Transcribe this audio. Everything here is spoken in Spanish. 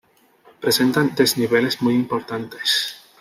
Presenta desniveles muy importantes.